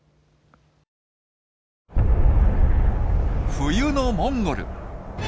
冬のモンゴル。